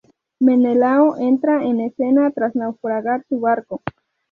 Menelao entra en escena tras naufragar su barco.